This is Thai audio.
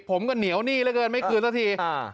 ผมก็เหนียวหนี้เหลือเกินไม่คืนสักที